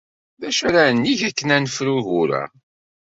D acu ara neg akken ad nefru ugur-a?